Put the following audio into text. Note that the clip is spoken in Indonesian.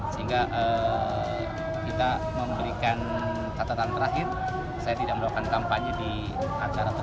sehingga kita memberikan catatan terakhir saya tidak melakukan kampanye di acara tersebut